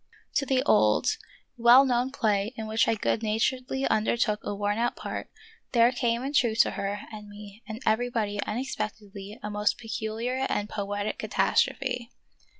To the old, well 32 The Wojiderful History known play in which I good naturedly undertook a worn out part, there came in truth to her and me and everybody unexpectedly a most peculiar and poetic catastrophe.